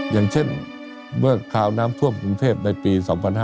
อย่างเช่นเมื่อคราวน้ำท่วมกรุงเทพในปี๒๕๕๙